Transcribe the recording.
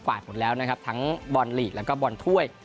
หมดแล้วนะครับทั้งบอลลีกแล้วก็บอลถ้วย